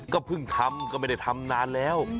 ก็เพิ่งทำก็ไม่ได้ทำนานแล้ว